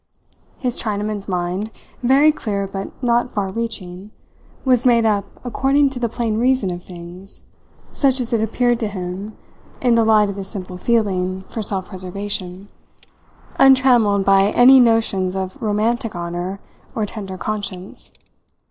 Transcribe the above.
His Chinaman's mind, very clear but not far reaching, was made up according to the plain reason of things, such as it appeared to him in the light of his simple feeling for self preservation, untrammelled by any notions of romantic honour or tender conscience.